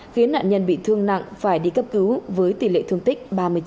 khiến nạn nhân bị thương nặng phải đi cấp cứu với tỷ lệ thương tích ba mươi chín